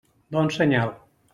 Bon senyal.